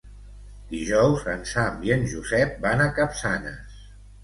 Dijous en Sam i en Josep van a Capçanes.